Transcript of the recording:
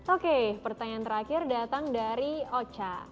oke pertanyaan terakhir datang dari ocha